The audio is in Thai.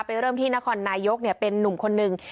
เริ่มที่นครนายกเป็นนุ่มคนหนึ่ง